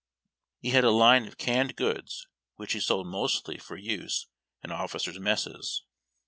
He had a line of canned goods which he sold mostly for use in officers' messes.